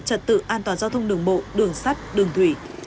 trật tự an toàn giao thông đường bộ đường sắt đường thủy